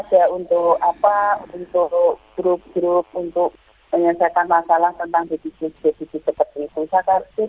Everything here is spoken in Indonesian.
biasanya ada untuk grup grup untuk menyelesaikan masalah tentang bisnis bisnis seperti itu